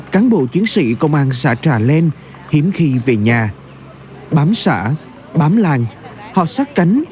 cán bộ chiến sĩ công an xã trà len hiếm khi về nhà bám xã bám làng họ sát cánh